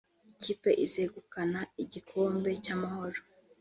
Ikipe izegukana igikombe cy’Amahoro